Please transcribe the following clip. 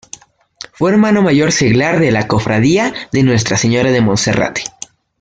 Fue Hermano Mayor seglar de la Cofradía de Nuestra Señora de Monserrate.